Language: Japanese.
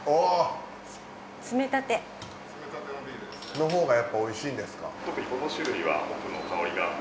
のほうがやっぱおいしいんですか？